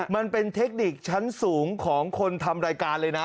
มันเป็นเทคนิคชั้นสูงของคนทำรายการเลยนะ